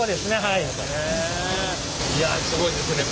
いやすごいですね